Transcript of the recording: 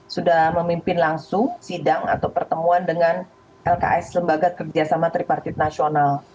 sudah memimpin langsung sidang atau pertemuan dengan lks lembaga kerjasama tripartit nasional